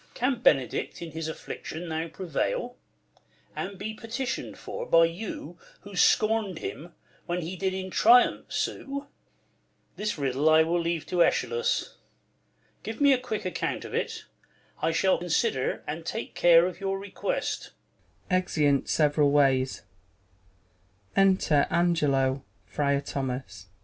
Can Benedick in his affliction now Prevail ; and be petition'd for by you Who scorn'd him when he did in triumph sue 1 This riddle I will leave to Eschalus. Give me a cj^uick account of it. I shall THE LAW AGAINST LOVERS. 203 Consider and take care of your request. [Exeunt several loays. Enter Angelo, Friar Thojias. Ang.